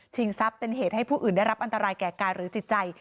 ทรัพย์เป็นเหตุให้ผู้อื่นได้รับอันตรายแก่กายหรือจิตใจ